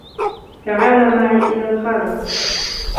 تعالَ معي إلى الخارج.